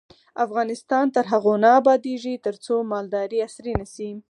افغانستان تر هغو نه ابادیږي، ترڅو مالداري عصري نشي.